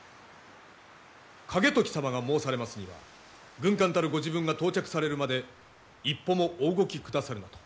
景時様が申されますには軍監たるご自分が到着されるまで一歩もお動きくださるなと。